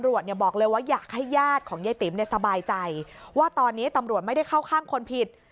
ว่าตอนนี้ตำรวจไม่ได้เข้าข้ามคนผิด